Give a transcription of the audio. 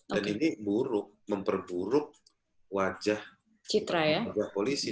dan ini memperburuk wajah polisi